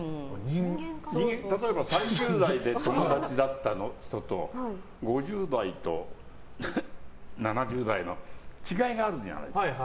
例えば３０代で友達だった人と５０代と７０代のでは違いがあるじゃないですか。